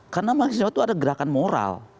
karena mahasiswa itu ada gerakan moral